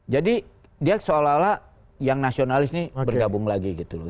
jadi dia seolah olah yang nasionalis ini bergabung lagi gitu loh